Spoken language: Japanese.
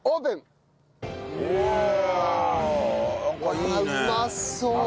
うまそう。